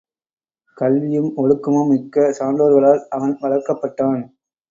கல்வியும் ஒழுக்கமும் மிக்க சான்றோர்களால் அவன் வளர்க்கப்பட்டான்.